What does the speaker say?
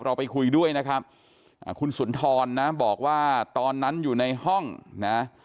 ไปคุยด้วยนะครับคุณสุนทรนะบอกว่าตอนนั้นอยู่ในห้องนะ